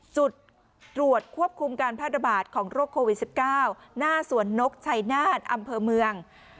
จุดตรวจควบคุมการแพร่ระบาดของโรคโควิด๑๙หน้าสวนนกชัยนาศอำเภอเมือง